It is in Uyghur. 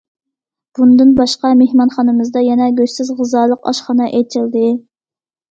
بۇندىن باشقا، مېھمانخانىمىزدا يەنە گۆشسىز غىزالىق ئاشخانا ئېچىلدى.